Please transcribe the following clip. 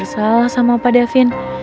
salah sama pak devin